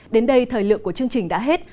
đến đây thời lượng của chương trình đã hết